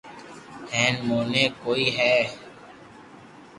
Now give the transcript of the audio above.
ھين موني ڪوئي ھيي